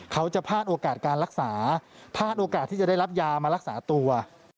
เขาจะพลาดโอกาสการรักษาพลาดโอกาสที่จะได้รับยามารักษาตัว